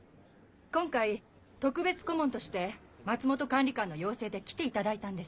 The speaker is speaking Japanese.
今回特別顧問として松本管理官の要請で来ていただいたんです。